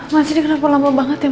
mas ini kenapa lambat banget ya mas